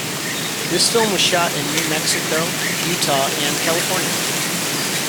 This film was shot in New Mexico, Utah, and California.